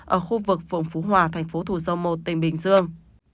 ở khu vực phường phú hòa thành phố thủ dầu một tỉnh bình dương